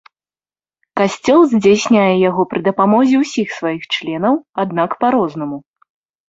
Касцёл здзяйсняе яго пры дапамозе ўсіх сваіх членаў, аднак па-рознаму.